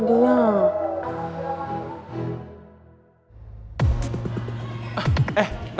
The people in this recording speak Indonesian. enggak langsung aja ya